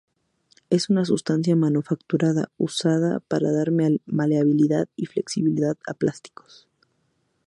Es una sustancia manufacturada usada para dar maleabilidad y flexibilidad a plásticos.